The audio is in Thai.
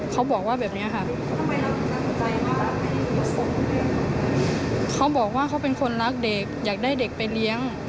เขาบอกว่าเขาเป็นคนรักเด็กอยากได้เด็กไปเลี้ยง